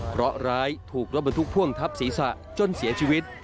เพราะร้ายถูกรถบรรทุกพ่วงทับศีรษะจนเสียชีวิต